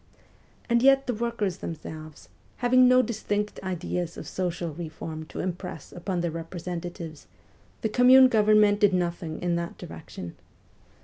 And yet the workers themselves, having no distinct ideas of social reform to impress upon their representatives, the Commune Government did nothing in that direction.